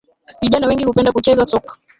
Vijana wengi hupenda kucheza soka